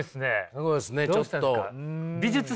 すごいっすねちょっと。